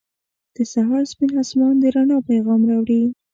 • د سهار سپین آسمان د رڼا پیغام راوړي.